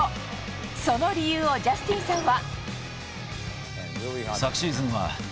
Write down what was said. その理由をジャスティンさんは。